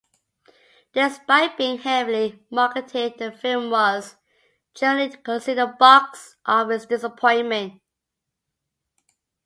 Despite being heavily marketed, the film was generally considered a box office disappointment.